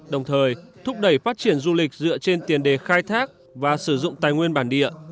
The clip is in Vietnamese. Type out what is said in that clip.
đồng thời thúc đẩy phát triển du lịch dựa trên tiền đề khai thác và sử dụng tài nguyên bản địa